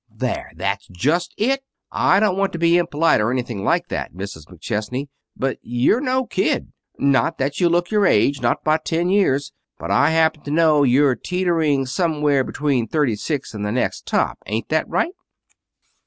"There! That's just it. I don't want to be impolite, or anything like that, Mrs. McChesney, but you're no kid. Not that you look your age not by ten years! But I happen to know you're teetering somewhere between thirty six and the next top. Ain't that right?"